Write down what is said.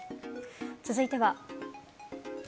続いては。